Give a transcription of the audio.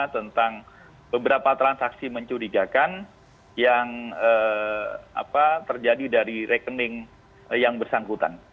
tentang beberapa transaksi mencurigakan yang terjadi dari rekening yang bersangkutan